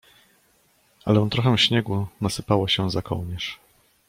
Ale trochę śniegu nasypało się za kołnierz.